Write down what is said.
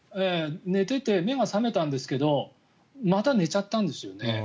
寝ていて目が覚めたんですけどまた寝ちゃったんですね。